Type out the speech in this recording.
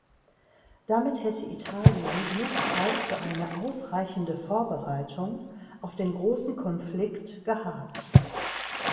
Damit hätte Italien genug Zeit für eine ausreichende Vorbereitung auf den großen Konflikt gehabt.